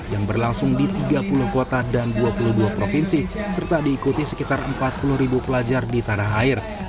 yang berlangsung di tiga puluh kota dan dua puluh dua provinsi serta diikuti sekitar empat puluh ribu pelajar di tanah air